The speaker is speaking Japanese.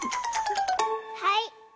はい！